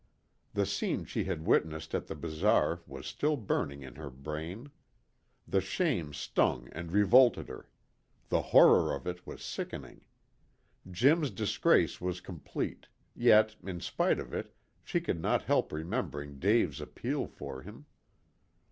The scene she had witnessed at the bazaar was still burning in her brain. The shame stung and revolted her. The horror of it was sickening. Jim's disgrace was complete; yet, in spite of it, she could not help remembering Dave's appeal for him.